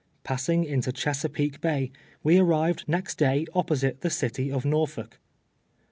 Passing into Chesapeake Bay, we arrived next day opposite the city of I^Tor folk.